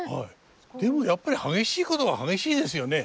でもやっぱり激しいことは激しいですよね。